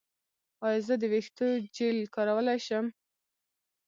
ایا زه د ویښتو جیل کارولی شم؟